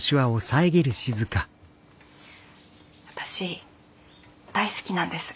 私大好きなんです